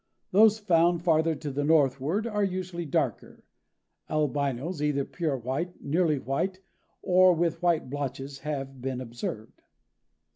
Those found farther to the northward are usually darker. Albinos, either pure white, nearly white or with white blotches, have been observed.